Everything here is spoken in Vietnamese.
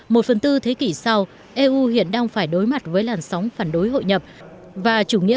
một phần tư thế kỷ sau eu hiện đang phải đối mặt với làn sóng phản đối hội nhập và chủ nghĩa